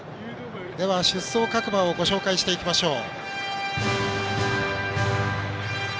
出走各馬をご紹介していきましょう。